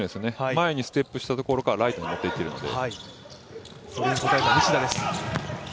前にステップしたところからライトに持っていっているので。